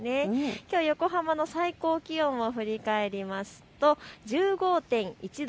きょう横浜の最高気温を振り返りますと１５．１度。